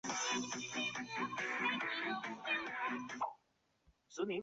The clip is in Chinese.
私下交易购买高阶商品